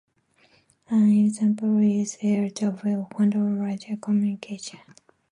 An example is air traffic control radio communications.